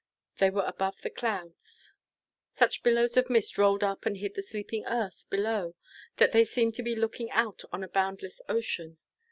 They were above the clouds. Such billows of mist rolled up and hid the sleeping earth below that they seemed to be looking out on a boundless ocean.